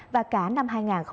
và cả năm hai nghìn hai mươi hai